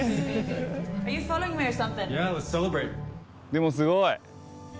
でもすごい！